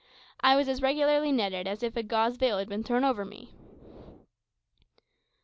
I was as regularly netted as if a gauze veil had been thrown over me.